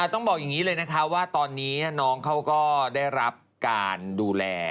ต้องบอกอย่างนี้เลยนะคะว่าตอนนี้น้องเขาก็ได้รับการดูแล